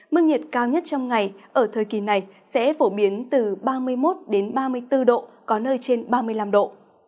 mức nhiệt cao nhất trong ngày ở thời kỳ này sẽ phổ biến từ ba mươi một ba mươi bốn độ có nơi trên ba mươi năm độ